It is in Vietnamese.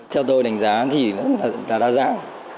theo tôi đánh giá thì là đa dạng